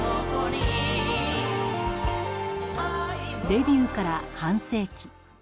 デビューから半世紀。